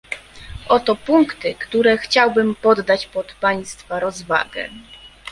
Oto punkty, które chciałbym poddać pod państwa rozwagę